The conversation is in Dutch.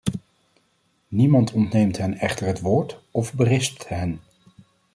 Niemand ontneemt hen echter het woord of berispt hen.